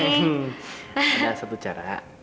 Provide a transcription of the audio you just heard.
ada satu cara